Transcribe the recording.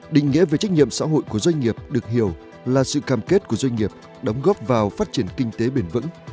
định nghĩa về trách nhiệm xã hội của doanh nghiệp được hiểu là sự cam kết của doanh nghiệp đóng góp vào phát triển kinh tế bền vững